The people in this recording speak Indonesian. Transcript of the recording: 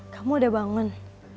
kamu udah bangun